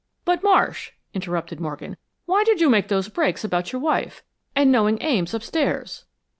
"But Marsh," interrupted Morgan. "Why did you make those breaks about your wife, and knowing Ames upstairs?"